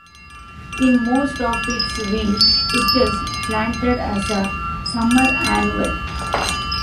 In most of its range, it is planted as a summer annual.